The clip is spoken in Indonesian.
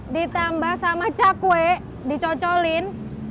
ditambah sama cakwe dicocolin